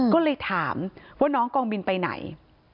ก็เลยถามว่าน้องกองบินไปไหน